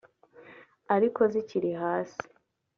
ariko zikiri hasi